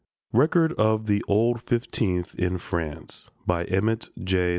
RECORD OF "THE OLD FIFTEENTH" IN FRANCE EMMETT J.